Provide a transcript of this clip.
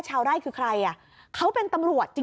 ชาวไร่คือใครอ่ะเขาเป็นตำรวจจริง